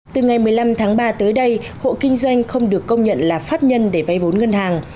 từ ngày một mươi năm tháng ba tới đây hộ kinh doanh không được công nhận là pháp nhân để vay vốn ngân hàng